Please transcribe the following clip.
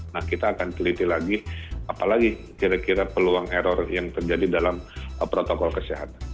nah kita akan teliti lagi apalagi kira kira peluang error yang terjadi dalam protokol kesehatan